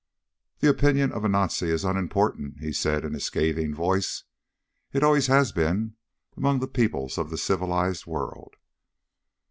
"The opinion of a Nazi is unimportant," he said in a scathing voice. "It always has been among the peoples of the civilized world."